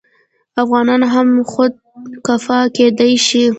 افغانان هم خودکفا کیدی شي.